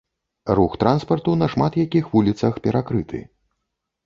Рух транспарту на шмат якіх вуліцах перакрыты.